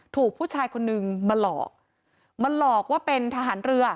ถูกผู้ชายคนนึงมาหลอกมาหลอกว่าเป็นทหารเรือ